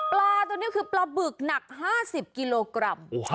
ปลาตัวนี้คือปลาบึกหนัก๕๐กิโลกรัม